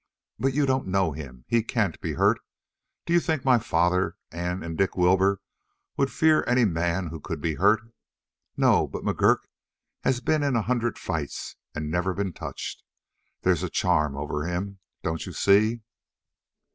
"But you don't know him. He can't be hurt. Do you think my father and and Dick Wilbur would fear any man who could be hurt? No, but McGurk has been in a hundred fights and never been touched. There's a charm over him, don't you see?"